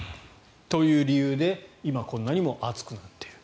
という理由で今、こんなにも暑くなっている。